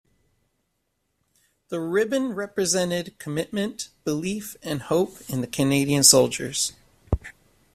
The ribbon represented commitment, belief and hope in the Canadian soldiers.